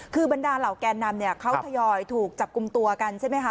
คือบรรดาเหล่าแก่นำเขาทยอยถูกจับกุมตัวกันใช่ไหม